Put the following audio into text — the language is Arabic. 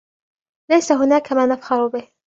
ليس هناك ما نفخر به.